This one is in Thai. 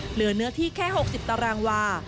เหลือเนื้อที่แค่๖๐ตารางวา